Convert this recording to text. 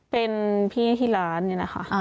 เป็นพี่ที่ร้านนี่นะคะ